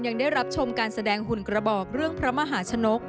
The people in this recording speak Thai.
ยังได้รับชมการแสดงหุ่นกระบอกเรื่องพระมหาชนก